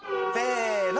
せの！